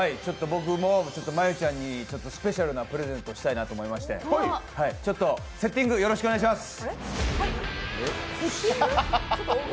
僕も真悠ちゃんにスペシャルなプレゼントしたいなと思いまして、セッティングよろしくお願いします。